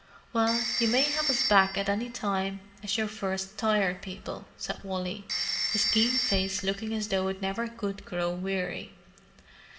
"Well, you may have us back at any time as your first Tired People," said Wally, his keen face looking as though it never could grow weary.